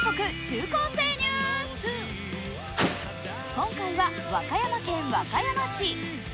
今回は和歌山県和歌山市。